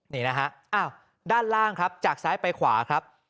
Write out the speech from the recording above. นี่นะฮะอ้าวด้านล่างครับจากซ้ายไปขวาครับ